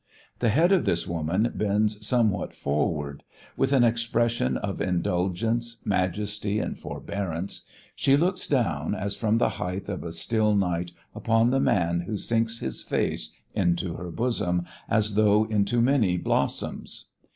The head of this woman bends somewhat forward; with an expression of indulgence, majesty and forbearance, she looks down as from the height of a still night upon the man who sinks his face into her bosom as though into many blossoms.